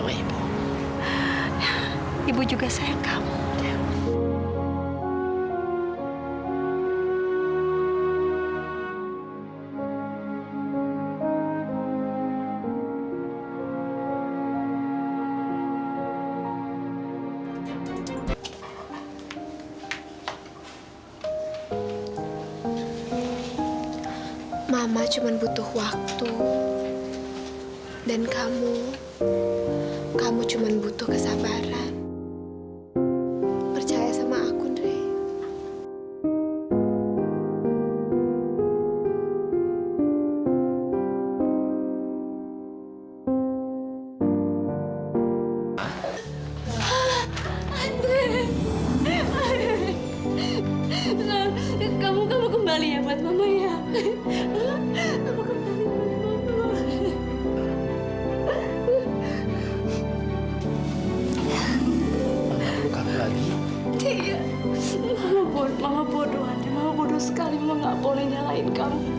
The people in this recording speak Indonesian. dengan kebutuhan kembali keluar dari kita ini